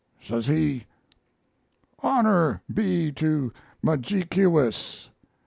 Says he: "'Honor be to Mudjekeewis!